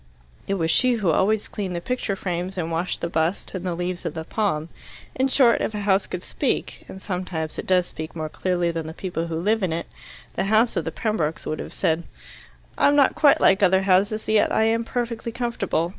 It was she who always cleaned the picture frames and washed the bust and the leaves of the palm. In short, if a house could speak and sometimes it does speak more clearly than the people who live in it the house of the Pembrokes would have said, "I am not quite like other houses, yet I am perfectly comfortable.